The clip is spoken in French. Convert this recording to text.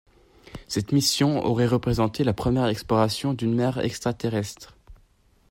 Cette mission aurait représenté la première exploration d'une mer extraterrestre.